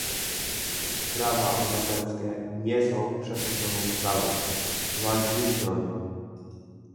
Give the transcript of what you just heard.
Prawa obywatelskie nie są przesądzoną sprawą - walczyliśmy o nie